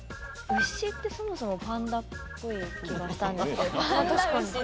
牛ってそもそもパンダっぽい気がしたんですけど。